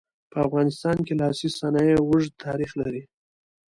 په افغانستان کې لاسي صنایع اوږد تاریخ لري.